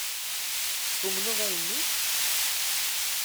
Tumned ayen-nni?